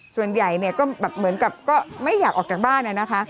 ส่วนใหญ่ก็ไม่อยากออกจากบ้าน